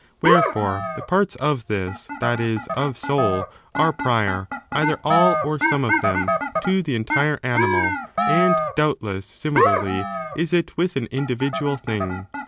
Wherefore, the parts of this, that is, of soul, are prior, either all or some of them, to the entire animal, and, doubtless, similarly is it with an individual thing.